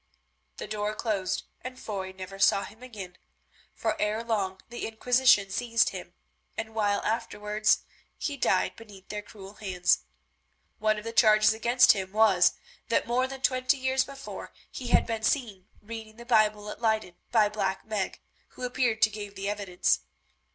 The door closed and Foy never saw him again, for ere long the Inquisition seized him and a while afterwards he died beneath their cruel hands. One of the charges against him was, that more than twenty years before, he had been seen reading the Bible at Leyden by Black Meg, who appeared and gave the evidence.